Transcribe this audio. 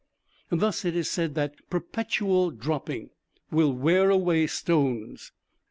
Thus it is said that perpetual dropping will wear away stones.